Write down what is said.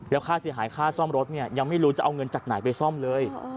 แล้วค่าเสียหายค่าซ่อมรถเนี่ยยังไม่รู้จะเอาเงินจากไหนไปซ่อมเลย